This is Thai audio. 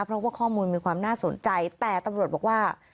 เพราะว่าข้อมูลมีความน่าสนใจแต่ตำรวจบอกว่า